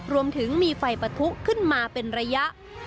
รวมถึงมีไฟปะทุขึ้นมาเป็นระยะ